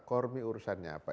kormi urusannya apa